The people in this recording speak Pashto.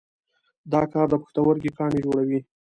دا کار د پښتورګي کاڼي جوړوي.